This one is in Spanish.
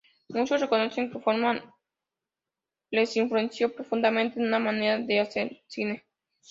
Muchos reconocen que Corman les influenció profundamente en su manera de hacer cine.